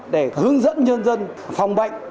để hướng dẫn nhân dân phòng bệnh